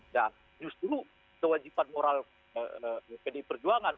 dan justru kewajiban moral pdi perjuangan